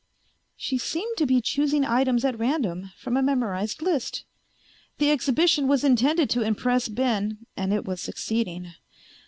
." She seemed to be choosing items at random from a memorized list. The exhibition was intended to impress Ben and it was succeeding.